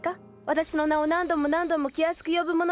私の名を何度も何度も気安く呼ぶ者は。